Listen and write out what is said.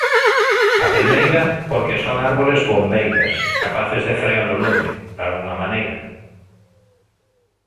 A primeira, porque son árbores 'bombeiras', capaces de frear o lume, dalgunha maneira.